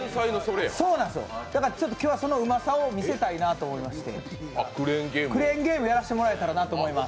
だから今日はそのうまさを見せたいなと思いまして、クレーンゲームやらせてもらえたらなと思います。